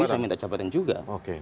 tidak bisa minta jabatan juga